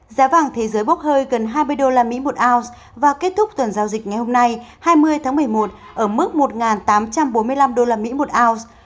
giá vàng thế giới bốc hơi gần hai mươi usd một ounce và kết thúc tuần giao dịch ngày hôm nay hai mươi tháng một mươi một ở mức một tám trăm bốn mươi năm usd một ounce